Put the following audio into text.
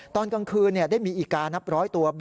ตอนกลางคืนได้มีอีกานับร้อยตัว